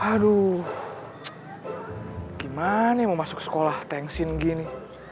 aduh gimana mau masuk sekolah tengsin gini